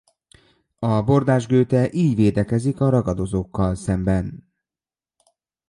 A bordás gőte így védekezik a ragadozókkal szemben.